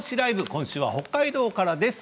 今週は北海道からです。